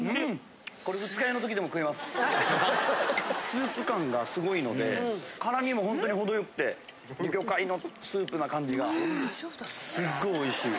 ・スープ感がすごいので辛味もホントに程よくて魚介のスープな感じがすっごいおいしい